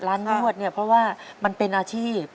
ร้านนวดเพราะว่ามันเป็นอาชีพ